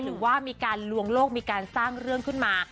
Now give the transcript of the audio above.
หรือว่ามีการลวงโลกมีการสร้างเรื่องขึ้นมา